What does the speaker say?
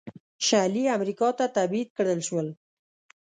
شلي امریکا ته تبعید کړل شول.